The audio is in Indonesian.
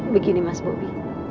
begini mas bobby